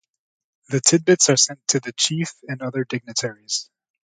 The tidbits are sent to the chief and the other dignitaries.